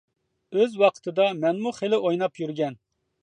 ئۆز ۋاقتىدا مەنمۇ خېلى ئويناپ يۈرگەن.